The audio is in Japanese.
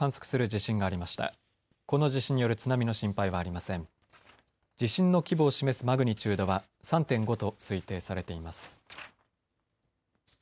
地震の規模を示すマグニチュードは３．５と推定されています。